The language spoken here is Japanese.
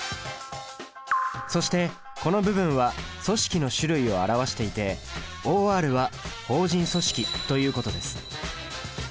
そしてこの部分は組織の種類を表していて「ｏｒ」は法人組織ということです。